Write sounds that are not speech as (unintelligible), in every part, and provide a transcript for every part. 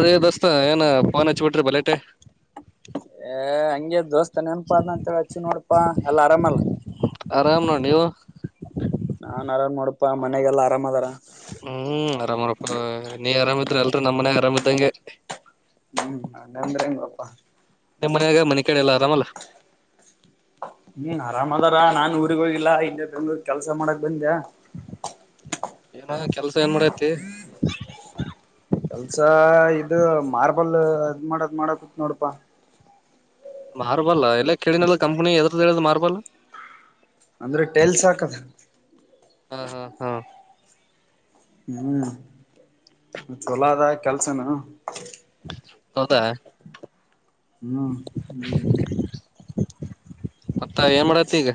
ಏನ್ರಿ ದೋಸ್ತ ಏನಾ ಫೋನ್ ಹಚ್ಚಿಬಿಟ್ರಿ ಬಲಟ್ಟೆ ನೆನಪಾದೆ ಅಂತ ಹಚ್ಚಿನಿನೋಡಪಾ ಆರಾಮಲ್ಲ ಆರಾಮ್ ನೋಡ್ ನೀವು ನಾನ್ ಆರಾಮ್ ನೋಡಪಾ ಮನೆಗೆಲ್ಲಾ ಆರಾಮ್ ಅದಾರ ಹ್ಮ್ ಆರಾಮಾರಪ್ಪನೀ ಆರಾಮಿದ್ರ ಎಲ್ಲರೂನಮ್ಮ ಮನೆಗೆ ಆರಾಮ್ದಂಗೆ ಹ್ಮ್ ಹಂಗಂದ್ರೆ ಹೆಂಗಪ್ಪಾ ನಿಮ್ಮ ಮನೆಯಾಗ ಮನೆ ಕಡೆ ಎಲ್ಲ ಆರಾಮಲ್ಲ ಹ್ಮ ಆರಾಮ್ ಅದಾರ ನಾನ್ ಊರಿಗ್ ಹೋಗಿಲ್ಲ ಹಿಂದೆ ಬೆಂಗಳೂರಿಗೆ ಕೆಲ್ಸ ಮಾಡಕ್ ಬಂದಿದ್ದೆ (inaudible) ಏನ ಕೆಲ್ಸ ಏನ್ ಮಾಡೈತಿ ಕೆಲ್ಸ ಇದು ಮಾರ್ಬಲ್ ಎಲ್ಲ ಅದ್ಮಾಡಕ್ ಮಾಡಕತ್ ನೋಡಪಾ ಮಾರ್ಬಲ್ ಎಲ್ಲ ಕೇಳಿನ ಕಂಪನಿ ಎದ್ರದ್ದ ಹೇಳು ಅದು ಮಾರ್ಬಲ್ ಅಂದ್ರೆ ಟೆಲ್ಸ್ ಹಾಕದು ಹಾ, ಹಾ, ಹಾ ಹ್ಮ್, ಚಲೋ ಅದ ಕೆಲ್ಸನು. - ಹೌದಾ, - ಹ್ಮ್, ಹ್ಮ ಮತ್ತ ಏನ್ ಮಾಡತಿ ಈಗ.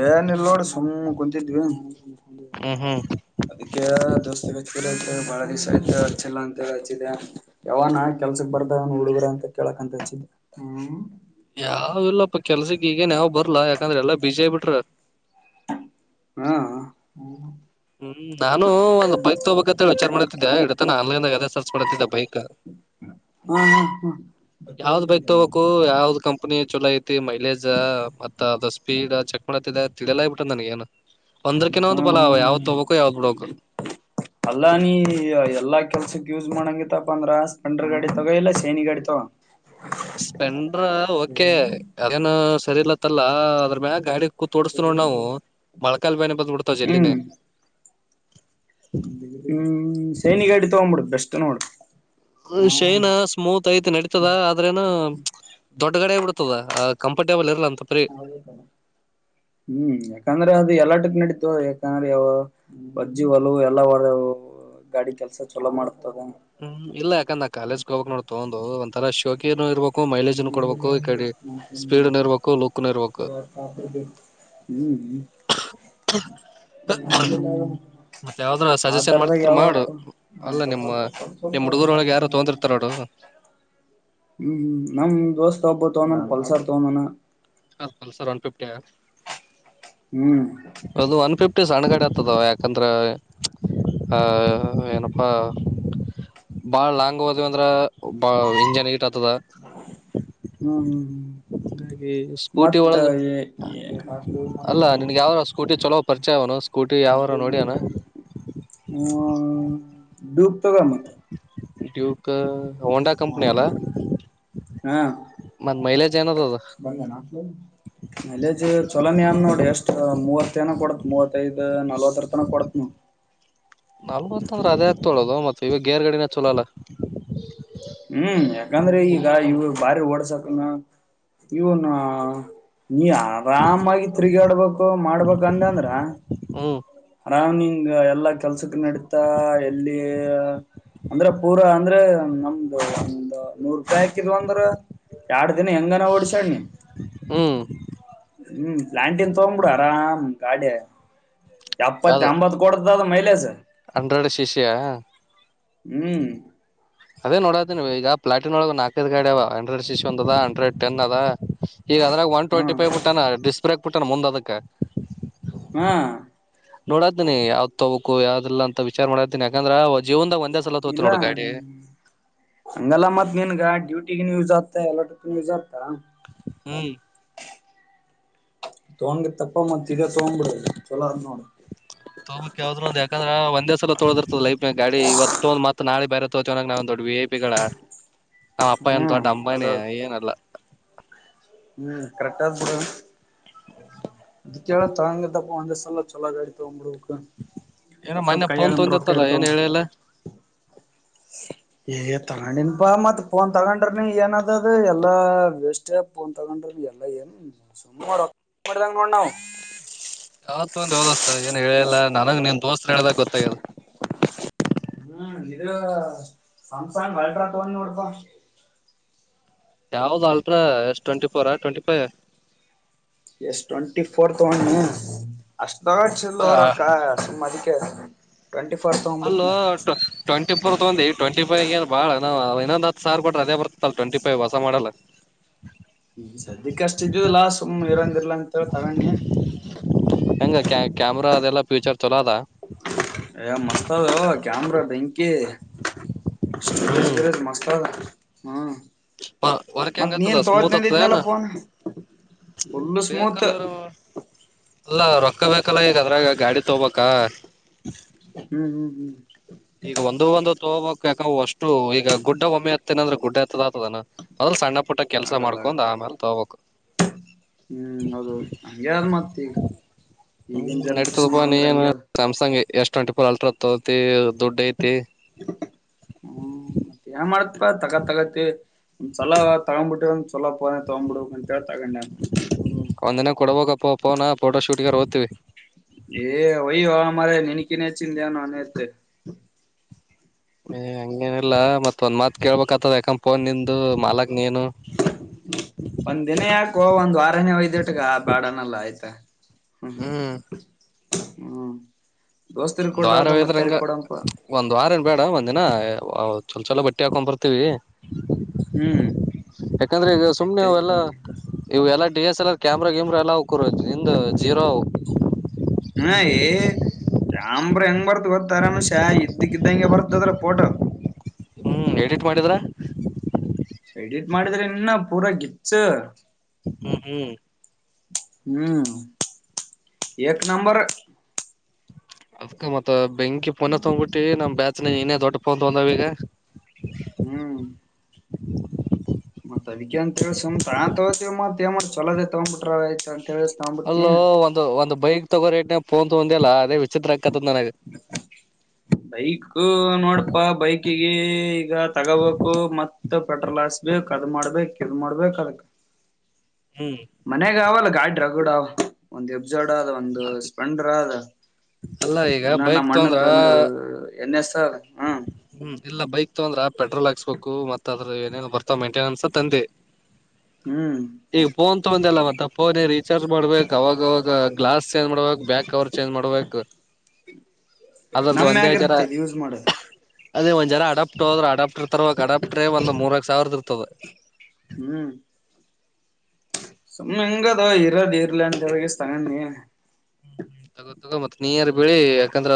ಎನಿಲ್ಲ ನೋಡ ಸುಮ ಕುಂತಿದ್ನಾ- ಹ್ಮ್ ಹ್ಮ್ ಅದಕ್ಕೆ ದೋಸ್ತಿ ಗ ಹಚ್ಚಿಲಂತ ಹೇಳ್ಬಹಳ ದಿವಸ ಆಯತ ಲಂತ ಯವ ನ ಕೆಲ್ಸಕ್ ಬರ್ತವೇನ್ ಹುಡುಗರ ಅಂತ ಕೇಳಕ್ ಹಚಿದ್ದೆ. ಹ್ಮ ಯಾವ ಇಲ್ಲಪ್ಪ ಕೆಲ್ಸಕ್ ಈಗನ್ಯಾವ್ ಬರ್ಲಾ ಯಾಕಂದ್ರೆ ಎಲ್ಲಾ ಬಿಜಿ ಮಾಡಿಬಿಟ್ರ. ಹಾ (inaudible) ಹ್ಮ್, ನಾನು ಒಂದ ಬೈಕ್ ತೋಬೇಕಕ್ಂತ ಹೇಳ ವಿಚಾರ ಮಾಡತಿದ್ದೆ. ಇಟತಾನ ಆನ್ಲೈನ್ದಾಗ ಅದ ಸಸ ಪಡತ ಭೈಕ (unintelligible) ಹಾ ಹಾ ಯಾವ್ದ್ ಬೈಕ್ ತೊಗಬೇಕ, ಯಾವ್ದ್ ಕಂಪನಿ ಚಲೋ ಐತಿ, ಮೈಲೇಜ ಮತ್ತ ಅದ ಸ್ಪೀಡ ಚಕ್ ಮಾಡತಿದೆ ತಿಳಲೇ ಹಾಗಿಬಿಟ್ಟೆದನನಗೇನ. ಹಾ ಹ್ಮ್ ಒಂದ್ರಕಿನ ಒಂದು ಬಲ ಅವ ಹ್ಮ್ ಯಾವತ್ ತೋಗಕು ಯಾವ್ದ್ ಬಿಡ್ಬೇಕು. ಅಲ್ಲಾ ನೀ ಎಲ್ಲಾ ಕೆಲ್ಸಕ್ ಯೂಸ್ ಮಾಡಂಗತ್ತಪ್ಪ ಅಂದ್ರ ಸ್ಪೆಂಡರ್ ಗಾಡಿ ತಗೋ ಇಲ್ಲಾ ಶೈನಿ ಗಾಡಿ ತಗೋ. ಸ್ಪೆಂಡ್ರ ಓಕೆ ಅದೇನು ಸರಿ ಇಲತ್ತಲ್ಲ ಅದ್ರ ಮ್ಯಾಗ ಗಾಡಿ ಕೂಂತ್ ಹೋಡಸ್ತಿವಿ ನೋಡು ನಾವು ಮಳಕಾಲ್ ಬೇನೆ ಬಂದ ಬಿಡ್ತಾವ ಜೆಲ್ಲ್ದಿನೇ. ಹ್ಮ, ಸೇನಿಗಾಡಿ ತಗೊಬಿಡು ಬೆಸ್ಟ್ ನೋಡು. ಶೈನಾ ಸ್ಮೂತ್ ಐತಿ ನಡಿತಿದಆದ್ರೇನು ದೊಡ್ಗಾಡಿ ಆಗಿಬಿಡತದ. ಕಂಫರ್ಟೇಬಲ್ ಇರ್ತದ. (inaudible) ಹ ಹ್ಮ್ ಯಾಕಂದ್ರೆ ಅದು ಎಲ್ಲಾಟಕ್ ನಡತ ಯಾಕಂದ್ರೆ ಒಜ್ಜಿ ಹೊಲವುಎಲ್ಲಾ ಒ ಗಾಡಿ ಕೆಲ್ಸ ಚಲೋ ಮಾಡ್ತದ. ಹ್ಮ್, ಇಲ್ಲ ಯಾಕಂದ್ರ ಕಾಲೇಜ್ಗೆ ಹೋಗ್ಕ್ ನೋಡ್ ತಗೊಂಡ್ ಒಂತರ ಶೋಕಿನು ಇರ್ಬಬೇಕು. ಮೈಲೇಜ್ ಏನಿಲ್ಲ ಕೊಡ್ಬೇಕು ಈ ಕಡೆ ಸ್ಪೀಡ್ ನು ಇರ್ಬೇಕು, ಲುಕ್ ಇರ್ಬೇಕು. ಹ್ಮ್ ಹ್ಮ್ (inaudible) ಹ (unintelligible) ಹ ಎಲ್ಲ (inaudible) ಆ ಸಜೆಷನ್ ತರದ ಮಾಡ್ತಿದ್ರ ಯಾವ ಮಾಡು ಅಪ್ಪಂತ ಅಲ್ಲ ನಿಮ್ಮ ಸ್ವಲ್ಪ, ಸ್ವಲ್ಪ, ನಿಮ್ ಹುಡುಗರೊಳಗೆ ಯಾರು ಸ್ವಲ್ಪ- ತೊಂದಿರ್ತಾರ ನೋಡು ಹ್ಮ್, ಹ್ಮ್ ನಮ್ ದೋಸ್ತ್ ಒಬ್ಬ ತಾನ್ ಪಲ್ಸರ್ ತೋಗೀದಾನ. ಹ ಸರ್ ಒನ್ ಫಿಫ್ಟಿ ಆ (inaudible) ಹ್ಮ್, ಸಣ್ಣಗಾಡಿ ಆತದೋ ಯಾಕಂದ್ರೆ ಏನಪ್ಪಾ ಬಾಳ್ ಲಾಂಗ್ ಹೋದ್ವಿ ಅಂದ್ರ ಬಾ ಇಂಜನ್ ಹೀಟ್ ಆತದ. ಹ್ಮ (inaudible) ಸ್ಕೂಟಿ ಒಳಗ, ಅಲ್ಲ ನಿನ್ಗೆ ಯಾವ ಸ್ಕೂಟಿ ಚಲೋ ಪರಿಚಯ ಅವನು ಸ್ಕೂಟಿ ಯಾವಾರ ನೋಡಿಯೇನ. ಹ್ಮ ೂಬತಗ ಮತ್ತ (unintelligible) ಡ್ಯೂಕ್ ಹೋಂಡಾ ಕಂಪನಿ ಅಲಾ. ಹಾ ಅದ ಬ (unintelligible) ಚಲ ನೀನ್ ನೋಡಿ ಎಷ್ಟ ಮೂವತ್ತ ಎನ ಕೊಡತ್ ದ, ಮೂವತ್ತೈದ್, ನಲ್ವತ್ತರ್ ತನ ಕೊಡತ್ - ನಲ್ವತ್ತ ಅಂದ್ರೆ ಅದೇ ಆಗ್ತೊಳೋದು ಮತ್ತೆ ಈವಾಗ ಗೇರ್ ಗಾಡಿನೆ ಚಲೋ ಅಲ್ಲ. ಹ್ಮ್, ಯಾಕಂದ್ರೆ ಈಗ ಇವ ಬಾರಿ ಓಡ್ಸಕನ ಇವನಾ (unintelligible) ನೀ ಆರಾಮಾಗಿ ತಿರುಗಾಡ್ಬೇಕು. ಮಾಡ್ಬೇಕ ಅಂತದ್ರ ಹ್ಮ್ ನಾವ ನಿಂಗ ಎಲ್ಲ ಕೆಲ್ಸಕ್ಕೆ ನಡತದ ಎಲ್ಲಿ ಅಂದ್ರಪೂರ ಅಂದ್ರೆ ನ ಒಂದ ನೂರ್ ರೂಪಾಯಿ ಹಾಕಿದ್ ಅಂದ್ರ ಎರಡ್ ದಿನ ಹೆಂಗನ ಓಡ್ಸನಿ. ಹ್ಮ (inaudible) ಹ್ಮ್, ಪ್ಲಾಂಟಿನ್ ತಗೋಗ್ಂಬಿಡ ಆರಾಮ ಗಾಡಿ ಎಪ್ಪತ್ತ ಯಾವ್ದು ಎಂಬತ್ ಕೊಡದದ ಮೈಲಸ ಹಂಡ್ರೆಡ್ ಶಿಶಿಯಾ ಹ್ಮ್ ಅದೇ ನೋಡದ ನೀವು ಈಗ ಪ್ಲಾಟಿನ್ಳ ನಾಕೈದು ಗಾಡವ ಅಂಡ್ರಡ್ ಸಿಿಸ್ ಒ ಅದ ಅಂಡ್ರ್ಡ್ ಟನ್ದ ಈಗ ಅದ್ರಾಗ ಒನ್ ಹ್ಮ ಟ್ವೆಂಟಿ ಫೈವ್ ಬಿುಟ್ಟಾನ ಡಿಸ್ಕ್ ಬ್ರೇಕ್ ಬಿುಟ್ಟಾನ ಮುಂದ್ ಅದಕ್ ಹ್ಮ ನೋಡಾ್ದಿನಿ ಯಾವ್ ತಗೋಬೇಕು ಯಾವ್ದಿಲ್ಲ ಅಂತ ವಿಚಾರ ಮಾಡತಿನನಿ ಯಾಕಂದ್ರ ಜೀವದಾಗ ಒಂದ ಇಲ್ಲ್ಮ (inaudible) ಹಂಗಲ್ಲ ಮತ್ ಮನ್ಗ ಡ್ಯೂಟಿಗ ನೀವುತ್ ಎಲ್ಲ ತು ಜಾಗತಾ ಹ್ಮ (inaudible) ತಗೊಂಡಗೆ ತಪ್ಪ ಮತ್ಗ ತಗೊಂಡ್ ಬಿಿಡ ಚಲೋ ಅದ ನೋಡಿ ತೋಕ್ ಯಾವ್ದ್ ಒಂದ ಯಾಕಂದ್ರೆ ಒಂದೇ ಸಲ ತೋದರ್ತದ ಲೈಫ್ ಗಾ ಇವತ್ತು ಒಂದುತ್ತ್ತ ನಳೆ ಬರೆೋ ಚ ಜನಾಗ ನ ದೊಡ್ಡ ವಿ ಪಿಗಳ ನಾವ್ ಅಪ್ಪಂತ ಹ್ಮ್ ದೊಡ್ಡ ಅಂಬಾನಿ ಅದು ಏನಲ್ಲ ಹ್ಮ್ ಕರೆಕ್ಾ ಬಡ ಇಕ್ಕೆಳ ತಾಂಗದಪ್ಪ ಅಂದ ಸಲ್ಲ ಚೊಲಾಗ ಅಿತ ಉಂಗ ಏನೋ ಮೊನ್ೆ ಪನ್ ತೊಂದಿತ್ತಲ್ಲ ಏನ್ ಹೇಳಿಯಲ್ಲ ಹಾ ಹಗ ತಗೊಂಡನ್ಪಾ ಮತ್ತ್ ಪೋನ್ ತಗೊಂಡ್ರ ನೀ ಏನ ಅದದ ಎಲ್ಲಾ ವೇಸ್ಟ್ ಪೋನ್ ತಗೊಂಡ್ರಿ ಲ್ಲ ಸಮ್ಮ ಮಾಡ ಮಾಡ ನೋಣವು ಯಾವತ್ತ ಒಂದು ಯಾವದಸ್ತ ಏನ್ ಹೇಳಿಯಲ್ಲ ನನಗೆ ನಿನ್ ದೋಸ್ತರು ಹೇಳಿದಾಗ ಗೊತ್ತಾಗ್ಯ ಹ್ಮ್ ಇದು ಸಂಸನ್ ವೈಡ್ರಾ ತೋ ಕೊಡಪ ಯಾವ್ದ ಆಲ್ಟ್ರಾ ಎಷ್ಟ ಟ್ವೆಂಟಿ ಫೋರ ಟ್ವೆಂಟಿ ಫೈವ ಎಷ್ಟ ಟ್ವೆಂಟಿ ಫೋರ್ತ್ ಒಣ ಅಷ್ಟ ಚಲ್ ಫೈವ್ ಅವರಕ್ಕ ಅಷ್ಟದ ಹಾ ಅಲ್ಲ ಟ್ವೆಂಟಿ ಪರ್ ತಗಂದಿ ಟ್ಟ ಟ್ಂಟಿ ೈವ ಏ ಬಾಳ ನಾವು ಇನ್ನೊಂದು ಹತ್ತು ಸರ್ ಬಿಟ್ರ ಅದೇ ಬರ್ತ್ತಲ್ಲ ಟ್ವೆಟಿ ಫೈವ ಹೊಸ ಮಾಡಲ್ಲ ಸದ್ಯಕ್ಕೆ ಹಗ ಹೆಂಗ ಕ್ಯಾಮ್ರಾ ಅದೆಲ್ಲ ಫ್ಯೂಚರ್ ಚಲೋ ಅದ ಯ ಮಸ್ತ ಕಾಮರ ತ ಸ್ಟ ಸವರೆ ಮಸ್ತ ಆ ಹಾ ಹ ವರ್ಕ್ ಹೆಂಗ್ ಆತದ ಸ್ಮೂತ್ ಆಗ್ತದನಾ ಫೋನ್ ಫುಲ್ ಸ್ಮೂತ್ ಬೇಕಲ್ಲರ ಅಲ್ಲ ಹಕಬೇಕಲ್ಲ ಈಗದ್ರ ಈಗ ಗಾಡಿ ತಗೋಬಬೇಕ ಹ್ಮ್ ಹ್ಮ್ ಹ್ಮ್ ಈಗ ಒಂದ ಒಂದು ತಗೋಬಬೇಕಕ್ ಯಾಕ ಅಷ್ಟು ಈಗ ಗುಡ್ಡ ಒಮ್ಮೆ ಹತ್ತೇನಂದ್ರೆ ಗುಡ್ಡತ್ತ ತದ ಅದ್ರ ಸಣ್ಣ ಪುಟ್ಟ ಕೆಲ್ಸ ಆಗಲ್ಲ ಆಗಲ್ಲ ಮಾಡ್ಕೊಂಡ್ ಆಮೇಲೆ ತಗಬೇಕು ಹ್ಮ್ ಅೌದು ಹಗೆ ಯಾರ ಮತೀವಿ ಹ್ಮ್ ನಡೀತದಪ್ಪಾ ನೀ್ಂಗ ಗೆ ಎಷ್ಟು ಒಂಟಿ ರ್ ಅಲ್ಟ ತತಿ ದುಡ್ಡು ಐತಿ ತಗ ತಗತ್ತ್ ಸಲ ತಗೊಂಡಂಬಿಟ್ಟು ಚಲೋಪೋನೆೆ ತಗ್ಂಬಿಡು ಅಂತ ಹೇಳಿ ತಗೊಂಡೆ ಹ್ಮ ಒಂದಿನ ಕೊಡಬಪ್ಪ ಪೋನಾ ಫೋಟೋ ಶೂಟ್ ಗಾರ ಹೋಗ್ತೀವಿ ಏ ಒಯ ಹ ಮರ ನನಕ್ಕೆನೇ ಚಿಂತಾನನೇತೆ ಲ್ಲ ಮತ್ತ ಒಂದ್ ಮಾತ್ ಕೇಳಳ್ಬೇಕಕ್ತದ ಯಾಕಂದಫೋನ್ ನಿಂದು ಮಾಲಕ್ ನೀನು ಒಂದ ದಿನ ಯಾಕು ಒಂದ್ ವಾರನೆೇ ಒಯ್ದಟ್ಗ ಬಾಡನೆಲ್ಲ ಆಯ್ತಾ ಹ್ಮ ಹ್ಮ ಒಂದ್ ವಾರ ಹದ್ರಂಗ ಒಂದ್ ವಾರ ಏನ್ ಬೇಡ ಒಂದಿನ ಚಲ ಚಛಲೋ ಬಟ್ಟಿ ಹಾಕೊಂಡ್ ಬರ್ತೀವಿ ಹ್ಮ್ ಯಾಕಂದ್ರೆ ಈಗ ಸುಮ್ನೆ ಆಯ್ತಾಯ್ತ್ ಎಲ್ಲಾ ಬರ್ರಿ ಇವು ಎಲ್ಲ T S L R camera ಗೇಮ್ರಾ ಎಲ್ಲ ಇ ಜೀರೋ ಹ ಅಂಬ್ರ ಹೆಂಗ್ ಬರ್ತ್ ಗೊತ್ತಾರನು ಶ್ಯ ಇದಕ್ಕ ಇದ್ದಂಗೆ ಬರ್ತದ್ರ ಪೋಟ ಹ್ಮ್ ಎಡಿಟ್ ಮಾಡಿದ್ರ ಎಡಿಟ್ ಮಾಡಿದ್ರೆ ಇನ್ನ ಪೂರಾ ಗಿಪ್ಸ ಹ್ಮ್ ಹ್ಮ್ ಹ್ಮ್ ಎ ನಂಬರ್ ಅದ್ಕ ಮತ್ತತ್ ಬೆಂಕಿ ಪೊನೆ ತೊಡ್ಬಿಟ್ಟಿ ನಮ್ ಬ್ಯಾಚ್ನ ಏನೇ ದೊಡ್ಡ ಪಂತಂದಾವ ಈಗ ಹ್ಮ್ ಹಾ ಮತ್ ಅದಕ ಅಂತೇಳಿ ಸುಮ್ನ್ ತಗೋತ ಮತ್ ಏ ಮಾಡ್ ಚಲೋದೇ ತಗೊ ಬಿಟ್ರ ಆಯ್ತ ಅಂತೇಳಿ ತಗೊಂಡ್ಬಿಟ್ನಿ ಅಲ್ಲೋ ಒಂದು ಒಂದು ಬೈಕ್ ತಗೋನೆನ್ ಒಂದ ಅಲ್ಲ ಅದೇ ವಿಚಿತ್ರ ಆಗ್ಕತದ ನನಗೆ ಬೈಕ್ ನೋಡಪಾ ಬೈಕಿಗೆ ಈಗ ತಗೋಬೇಕು ಮತ್ ಪೆಟ್ರೋಲ್ ಹಾಸ್ಬೇಕು ಕದ್ ಮಾಡ್ಬೇಕ ಕದ್ ಮಾಡ್ಬೇಕ ಅದಕ್ ಹ್ಮ್ ಮನ್ಗ ಅವಲ್ಲ ಗಾಡ ರಗೂಡ ಅವ ಒಂದ್ ಎಬ್ ಜೋಡ ಅದ ಒಂದು ಸ್ಪಂಡರ್ ಅದ ಅಲ್ಲ ಈಗ ಇನ್ನ ಬೈಕ್ ನಮ್ಮ ತೊಂದ್ರ ಅಣ್ಣಂದು ಒಂದು ಎನ್ ಎಸ್ ಅದ ಹ್ಮ ಹ್ಮ್ ಎಲ್ಲ ಬೈಕ್ ಇ ಅಂದ್ರ ಪೆಟ್ರೋಲ್ ಹಾಕ್ಸ್ಬೇಕು ಮತ್ ಅದ್ರ ಏನೇನು ಬರ್ತಾವ ಮಂಟೆನೆನ್ಸ್ ತಂದೆ ಹ್ಮ್ ಈಗ ಫೋನ್ ತೊಂದಲ್ಲ ಮತ್ತ ಫೋನ್ ರೀಚಾರ್ಜ್ ಮಾಡ್ಬೇಕಕ್ ಅವಾಗವಾಗ ಗ್ಲಾಸ್ ಚೇಂಜ್ ಮಾಡ್ಬೇಕು ಬ್ಯಾಕ್ ಅವ್ರ ಚೇಂಜ್ ಮಾಡ್ಬೇಕು ಅದ್ರದ್ದು ನಮ್ಮ ಒಂದೇ ಜರ ಆಗಿರ್ತ್ತೆ ಇದು ಯೂಸ್ ಮಾಡೋದು ಅದೇ ಒಂದ್ ಜ ಅಡಪ್ಟ್ದ್ರು ಅಡಾಪ್ಟರ್ ತರರುವಾಗ ಅಡಾಪ್ಟ್ರ ಒಂದ ಮೂರಕ್ ಸಾವಿರದ ಇ ಹ್ಮ್ ಮೆಹಂಗದ ಹೀರಡ ಹೀರ್ಲಂಡ ಜಗೆ ಸ್ಥ ನೀ ತಗೋ ಮತ್ ನೀರ್ ಬಿಳಿ ಯಾಕಂದ್ರ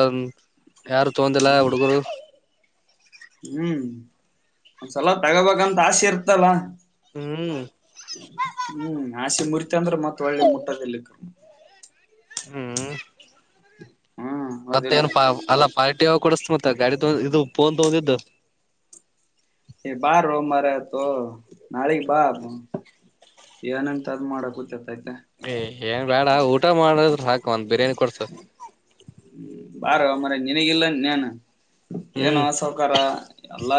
ಯಾರು ತಗೊಂಡಿಲ್ಲ ಹ್ಮ್ ಹುಡುಗರು ಹ್ಮ್ ಒಂದ್ಸಲ ತಗೋಬೇಕಂತ ಆಸೆ ಇರ್ತಲ್ಲ ಹ್ಮ್ ಹ್ಮ್ ಆಸೆ ಮುರಿತಿ ಅಂದ್ರೆ ಮತ್ತತ್ ಒಳ್ಳೆ ಮುಟ್ಟದಲಿಕ್ಕ ಹ್ಮ್ ಹ್ಮ್ ಮತ್ತ ಹೌದಿಲ್ಲ ಏನ್ ಪಾ ಅಲ್ಲ ಪಾರ್ಟಿ ಕುಡಸ್ತ ಮ ತ್ತ ಗಾಡಿ ತಗೊಂಡ ಇದು ಪಫೋನ್ ತಗೊಂಡಿದ್ದ ಬಾ ರೋ ಮಾರತ ನಾಳೆಗೆ ಬಾ ಏನಂತ ಅದ್ ಮಾಡ ಗೂತ್ತತ ಆಯ್ತಾ ಏ ಏನ್ ಬೇಡ ಊಟ ಮಾಡದ್ರ ಹಾಕ್ ಬಾರ ಅಮರ ನಿನಗಿಲ್ಲ ನನ್ ಏನು ಹ್ಮ್ ಸೌಕಾರ ಎಲ್ಲಾ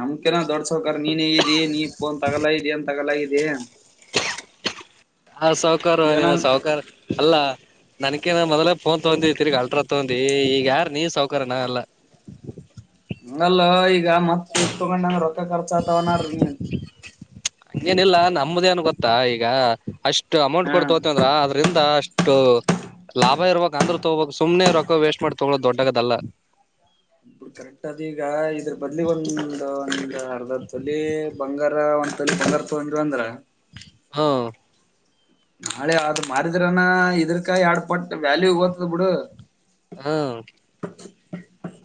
ನಮ ನ ದೊಡ್ಸೋಕ ನೀನ್ ಹೇಗರಿ ನೀಫನ್ ತಗೋಲ ಏನ್ ತಗೋಲಾಗಿದೆ ಹ ಸಾಹಕಾರು ನೀನು ಸಾಹಕಾರ ಅಲ್ಲಾ ನನಕೇನ ಮೊದಲ ಫೋನ್ ತಗೊಂಡಿ ತಿರ್ಗಿ ಅಲ್ರ ತಗೊಂಡಿ ಈಗ ಯಾರ ನೀವ ಸೌಕಾರರ್ಯನಾ ಎಲ್ಲ ಹಂಗಲ್ಲ ಈಗ ಮತ್ತ ತಗೊಂಡಂದ್ರೆ ರೊಕ್ಕ ಖರ್ಚ ಆತವ ನ್ರೀ ನೀನ್ ಹಂಗೇನಿಲ್ಲ ನಮಮ್ಮದೇ ಏನ್ ಗೊತ್ತಾ ಈಗ ಅಷ್ಟ ಅಷ್ಟು ಅಮೌಂಟ್ ಹಾ ಕೊಡ್ತೋತ ಅಂದ್ರ ಅದ್ರಿಂದ ಅಷ್ಟು ಲಾಭ ಇರ್ಬೇಕಕ್ ಅಂದ್ರೂ ತೊಗೋಬಬೇಕಕ್ ಸುಮನೆ ಇರೊಕ್ಕ ವೇಸ್ಟ್ ಮಾಡಿ ತಗೊ ದೊಡ್ಡಗದಲ್ಲಾ ಇ ಬಿ ಕರೆಕ್ಟ್ ಅದ ಈಗ ಇದ್ರ ಬದ್ಲಿ ಒಂದ ಅರ್ಧ ತೊಲಿ ಬಂಗಾರ ಒಂದ್ ತೊಲಿ ಬಂಗಾರ ತೊಗಂದ್ರು ಅಂದ್ರ ಹಾ ನಾಳೆ ಆದ್ ಮಾರಿದ್ರನ ಇದ್ರಕ ಎರಡ್ ಪಟ್ಟ ವ್ಯಾಲ್ಯೂ ಓತದ ಬಿಡು ಹಾ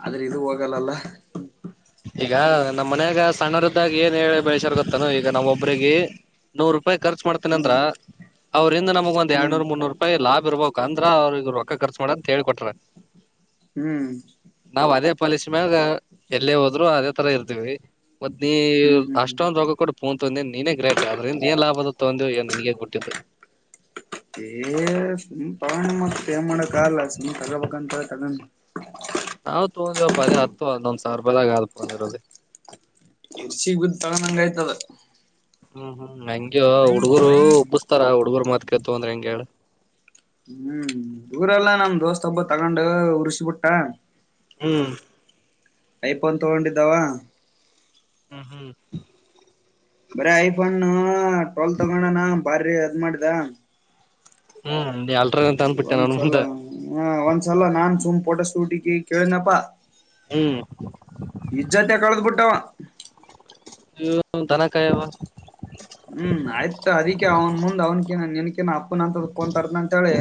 ಆದ್ರೆ ಇದು ಹೋಗಲ್ಲಲ್ಲ ಈಗ ನಮ್ಮ್ ಮನ್ಯಾಗ ಸಣ್ಣರದ್ದಾಗಿ ಏನ್ ಹೇಳ ಬೆಳಸ್ಯಾರ ಗೊತ್ತಾನ ಈಗ ನಾವ ಒಬ್ರಿಗೆ ನೂರು ರೂಪಾಯಿ ಖರ್ಚ ಮಾಡತನ ಅಂದ್ರ ಹ್ಮ್ ಅವ್ರಂದ ನಮ್ಗೆ ಒಂದ ಹ್ಮ್ ಎರಡ್ನೂರು ಮುನ್ನೂ ರೂಪಾಯಿ ಲಾಭ ಇರ್ಬೇಕು ಅಂದ ಅವ್ರಗರು ರೊ ಖರ್ಚು ಮಾಡ ಅಂತ ಹೇಳಿಕೊಟ್ರಾರೆ ಹ್ಮ್ ಪಾಲಕ್ಷಮಾಗ ಅಲ್ಲೇ ಹೋದ್ರು ಅದೇ ತರ ಇರ್ತವಿ ಮತ್ತ ನೀ ಹ್ಮ್ ಹ್ಮ್ ಹ್ಮ್ ಅಷ್ಟೊಂದಂದು ರೋಗ ಕೂಡ ಪೂನ್ ತಂದ ನೀನೇ ಗ್ರೇಟ್ ಆದ್ರಿಂದ ನೀನ್ ಲಾಭದ ತಂದೆ ನನ್ಗೆ ಗಟ್ಟಿದ್ದು ಏ ಸುಮ್ ಪವಾಣಿ ಮ ಏ ಮಾಡಕ್ ಆಗಲ್ಲ ಸುಮ್ಮ್ ತಗೋಬೇಕಂತ ತಗೊಂಡು ನಾವು ತೊಗೊಂಡಿವವಪ್ಪ ಅದೇ ಹತ್ತು ಒಂದೊಂದ್ ಸಾವಿ ರೂಪಾಯದಾಗ ಆದ್ ಫೋನ್ ಇರೋದೆ ಸಿಗ್ಬ ತಗೊಂಡಂಗ ಆಯ್ತದ ಹ್ಮ್ ಹ್ಮ್ ಹೆಂಗಗೆ ಹುಡುಗರು ಉಬ್ಬಸ್ತಾರ ಹುಡ್ಗರು ಮಾತ್ಕೇತ ಅಂದ್ರ ಹೆಂಗಗೆ ಹೇಳ ಹ್ಮ್ ಊರೆಲ್ಲಾ ನಮ್ ದೋಸ್ತ ಹಬ್ಬ ತಗೊಂಡ ಹುರುಷಿಬುಟ್ಟ ಹ್ಮ್ ಐಫೋನ್ ತಗೊಂಡಿದ್ದಾವ ಹ್ಮ್ ಹ್ಮ್ ಬರ ಐಫೋನ್ ಟ್ಲ್ ತಗೋೊಂಡನಾ ಬಾರಿ ಅದ್ ಮಾಡಿದ ಹ್ಮ್ ನೀ ಅಲ್ಟ್ರ ಅಂತ ಅಂದ್ಬಿಟ್ಟೆ ನನ್ ಒಂದ್ಸಲ ಮುಂದ ಹ ಒಂದ್ಸಲ ನಾನ್ ಸುಮ್ ಪೋಟ ಸೂಟಿಗೆ ಕೇಳನಪ್ಪಾ ಹ್ಮ್ ಇಜ್ಜತ ಕಳದು ಪುಟ್ಟಾವ ಧನಕಾಯವಾ ಹ್ಮ್ ಆಯ್ತ ನ್ ಅಂತ ೋನ್ ತರ್ ಅಂತ ಹೇಳಿ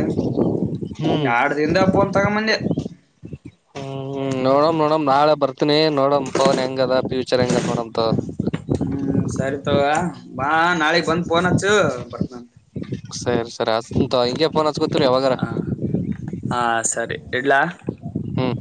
ಹ್ಮ್ ಯಡು ತಿಂದ ಅಪ್ಪಂತಂಗ ಮಂದೆ ನೋಡ ನೋಡಣ ನಾಳೆ ಬತ ಇನ ನೋಡಂ ಪವನ್ ಹೆಂಗ ಅದ ಫ್ಯೂಚರ್ ಹೆಂಗದ ನೋಡಂತ ಹ್ಮ್ ಸರಿ ತಗೋ ಬಾ ನಾಳಗ್ ಬಂದ್ ಪೋನ್ ಹಚ್ಚು ಬರ್ತನನ್ ಸರಿ ಸರಿ ಅಂತ ಹಿಂಗೆ ಪೋನ್ ಹಚ್ಕೊತ್ರಿೀ ಯಾವಾಗಾರ ಹ ಹಾ ಸರಿ ಇಡ್ಲಾ ಹ್ಮ್